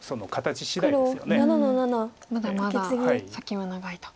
まだまだ先は長いと。